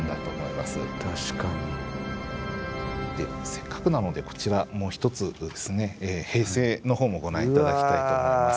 せっかくなのでこちらもう一つですね「平成」のほうもご覧頂きたいと思います。